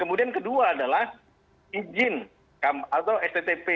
kemudian kedua adalah izin atau sttp